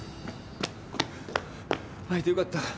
会えてよかった。